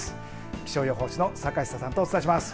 気象予報士の坂下さんとお伝えします。